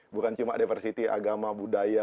bukan cuma diversity agama budaya